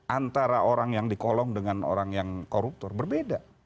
antara orang yang dikolong dengan orang yang koruptor berbeda